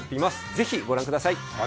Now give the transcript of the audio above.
ぜひ、ご覧ください。